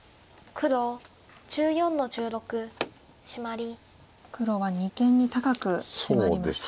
黒は二間に高くシマりました。